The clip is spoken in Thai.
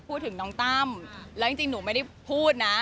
พูดถึงน้องตั้มแล้วจริงหนูไม่ได้พูดนะ